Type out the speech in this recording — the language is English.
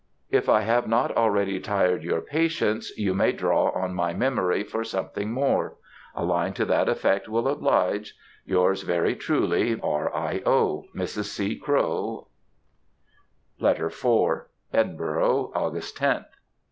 If I have not already tired your patience you may draw on my memory for something more. A line to that effect will oblige, Yours very truly, Mrs. Crowe, R. I. O. LETTER IV. _Edinburgh, Aug. 10th.